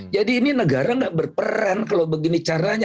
jadi ini negara nggak berperan kalau begini caranya